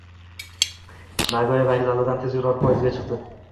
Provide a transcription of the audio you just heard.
Nagoya vokzalidan tezyurar poezdga chiqdi